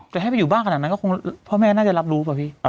แต่ให้ไปอยู่บ้านขนาดนั้นก็คงพ่อแม่น่าจะรับรู้ป่ะพี่